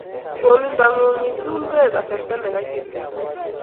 solwonding'ung ituul beek kasarta nekaitit mising